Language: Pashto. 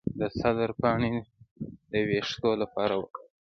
د سدر پاڼې د ویښتو لپاره وکاروئ